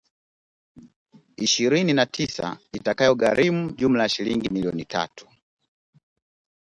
ishirini na tisa itakayogharimu jumla ya shilingi bilioni tatu